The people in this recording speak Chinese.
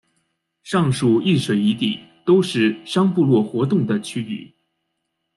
上述一水一地都是商部落活动的区域。